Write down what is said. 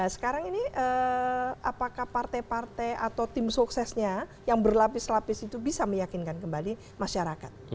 sekarang ini apakah partai partai atau tim suksesnya yang berlapis lapis itu bisa meyakinkan kembali masyarakat